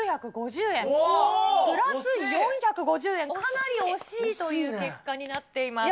プラス４５０円、かなり惜しいという結果になっています。